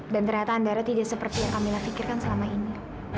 dan ternyata andara tidak seperti yang kak mila pikirkan selama ini